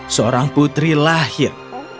seorang putri lahir